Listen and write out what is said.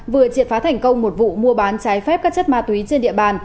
vừa triệt phá thành công một vụ mua bán trái phép các chất ma túy trên địa bàn